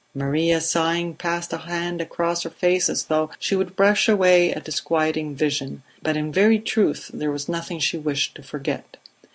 Maria, sighing, passed a hand across her face as though she would brush away a disquieting vision; but in very truth there was nothing she wished to forget.